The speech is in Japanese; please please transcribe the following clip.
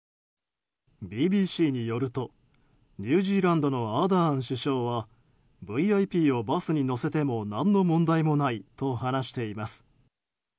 ＢＢＣによるとニュージーランドのアーダーン首相はＶＩＰをバスに乗せても何の問題もないと話しています。